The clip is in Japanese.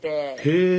へえ！